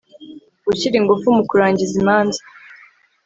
gushyira ingufu mu kurangiza imanza